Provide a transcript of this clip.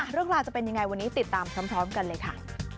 เรื่องราวจะเป็นยังไงวันนี้ติดตามพร้อมกันเลยค่ะ